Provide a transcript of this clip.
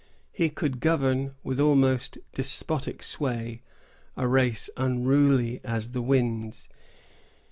He could govern, with almost despotic sway, a race unruly as the winds.